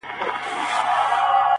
یارانو رخصتېږمه، خُمار درڅخه ځمه،